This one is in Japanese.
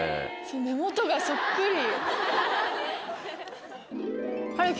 目元がそっくり！